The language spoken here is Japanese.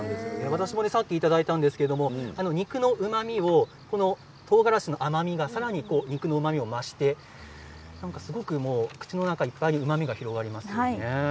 私もさっきいただいたんですけれど肉のうまみをとうがらしの甘みがさらに増して口の中いっぱいにうまみが広がりますね。